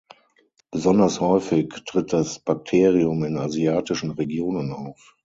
Besonders häufig tritt das Bakterium in asiatischen Regionen auf.